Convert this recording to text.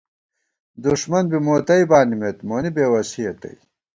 دݭمن بی موتئ بانِمېت ، مونی بے وسِیَہ تئ